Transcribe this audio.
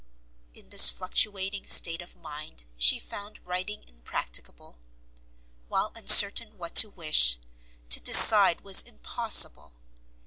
In this fluctuating state of mind she found writing impracticable; while uncertain what to wish, to decide was impossible.